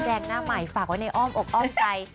แดงหน้าใหม่ฝากไว้ในอ้อมอกอ้อมใจ